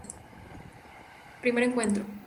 I Encuentro.